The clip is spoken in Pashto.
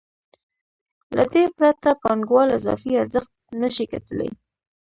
له دې پرته پانګوال اضافي ارزښت نشي ګټلی